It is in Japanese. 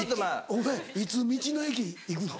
お前いつ道の駅行くの？